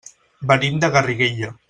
Venim de Garriguella.